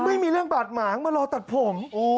ไม่มีเรื่องบาดหมางมารอตัดผม